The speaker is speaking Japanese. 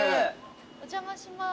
お邪魔します。